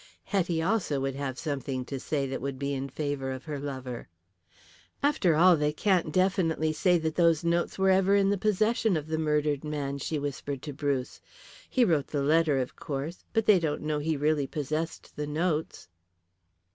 Hetty also would have something to say that would be in favour of her lover. "After all, they can't definitely say that those notes were ever in the possession of the murdered man," she whispered to Bruce. "He wrote the letter, of course, but they don't know he really possessed the notes."